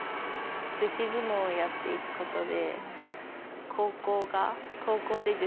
女子相撲をやっていくことで。